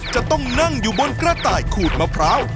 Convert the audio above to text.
จะต้องนั่งอยู่บนกระต่ายขูดมะพร้าว